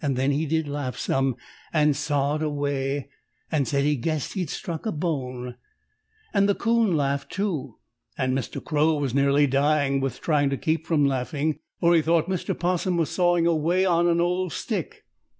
Then he did laugh some, and sawed away and said he guessed he'd struck a bone; and the 'Coon laughed, too, and Mr. Crow was nearly dying with trying to keep from laughing, for he thought Mr. 'Possum was sawing away on an old stick.